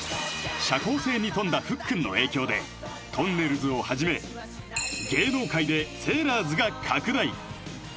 社交性に富んだフッくんの影響でとんねるずをはじめ芸能界でセーラーズが拡大